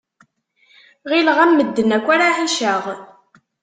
Ɣilleɣ am medden akk ara ɛiceɣ.